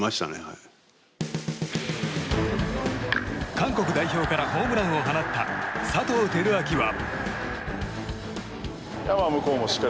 韓国代表からホームランを放った佐藤輝明は。